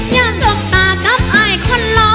อย่าซวกตากับไอคอนล้อ